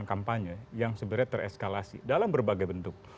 dan kampanye yang sebenarnya tereskalasi dalam berbagai bentuk